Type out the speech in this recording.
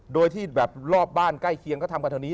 โดยที่แบบรอบบ้านใกล้เคียงเขาทำกันเท่านี้